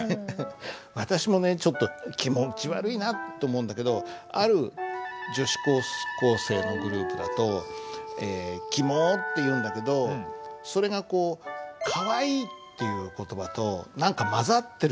私もねちょっと気持ち悪いなと思うんだけどある女子高校生のグループだと「キモ」って言うんだけどそれがこう「カワイイ」っていう言葉と何か混ざってるような。